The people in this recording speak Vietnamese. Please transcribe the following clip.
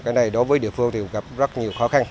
cái này đối với địa phương thì gặp rất nhiều khó khăn